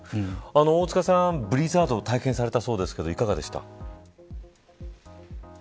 大塚さん、ブリザードを体験されたそうですがいかがですか。